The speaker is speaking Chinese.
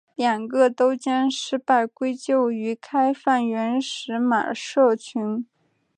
两个都将失败归咎于开放原始码社群。